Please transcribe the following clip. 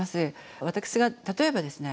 私が例えばですね